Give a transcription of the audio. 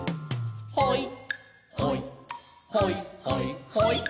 「ほいほいほいほいほい」